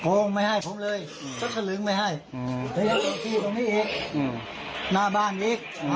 โกงไม่ให้ผมเลยอืมไม่ให้อืมตรงนี้อีกอืมหน้าบ้านอีกอืม